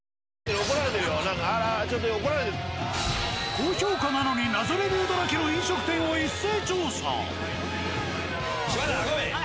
高評価なのに謎レビューだらけの飲食店を一斉調査！